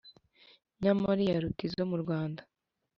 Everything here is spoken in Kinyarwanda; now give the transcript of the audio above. Nyamara iyaruta izo mu Rwanda